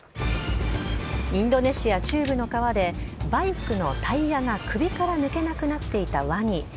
インドネシア中部の川で、バイクのタイヤが首から抜けなくなっていたワニ。